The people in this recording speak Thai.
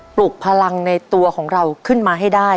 ลุกพลังในตัวของเราขึ้นมาให้ได้